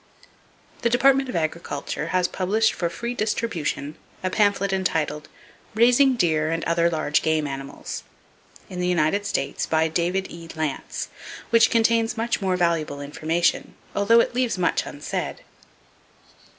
The Department of Agriculture has published for free distribution a pamphlet entitled "Raising Deer and Other Large Game Animals" in the United States, by David E. Lantz, which contains much valuable information, although it leaves much unsaid.